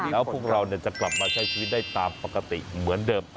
แล้วพวกเราจะกลับมาใช้ชีวิตได้ตามปกติเหมือนเดิม